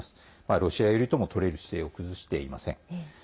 ロシア寄りとも取れる姿勢を崩していません。